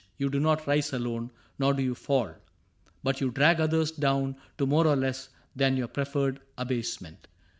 You do not rise alone ; nor do you fall But you drag others down to more or less Than your preferred abasement.